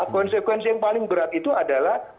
konsekuensi yang paling berat itu adalah